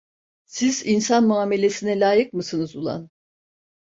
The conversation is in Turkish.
Siz insan muamelesine layık mısınız ulan…